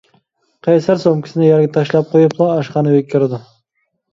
قەيسەر سومكىسىنى يەرگە تاشلاپ قويۇپلا ئاشخانا ئۆيگە كىرىدۇ.